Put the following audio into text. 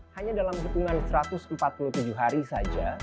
hanya dalam hitungan satu ratus empat puluh tujuh hari saja